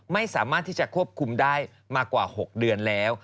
ไม่สามารถที่จะควบคุมได้มากว่า๖เดือนแล้ว